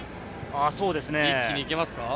一気にいけますか？